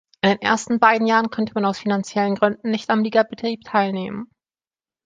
In den ersten beiden Jahren konnte man aus finanziellen Gründen nicht am Ligabetrieb teilnehmen.